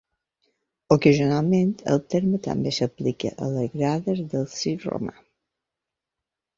Ocasionalment, el terme també s'aplica a les grades del circ romà.